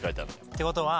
ってことは。